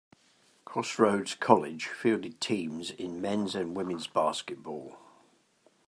Crossroads College fielded teams in men's and women's basketball.